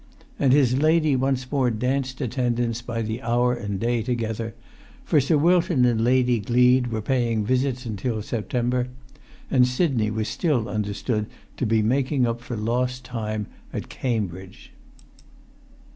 And his lady once more danced attendance by the hour and day together; for Sir Wilton and Lady Gleed were paying visits until September; and Sidney was still understood to be making up for lost time at Cambridge.